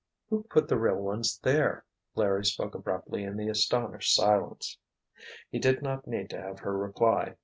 "Who put the real ones there?" Larry spoke abruptly in the astonished silence. He did not need to have her reply.